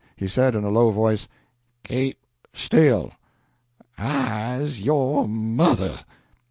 He said, in a low voice "Keep still I's yo' mother!"